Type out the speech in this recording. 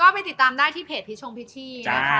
ไปติดตามได้ที่เพจพิชงพิธีนะคะ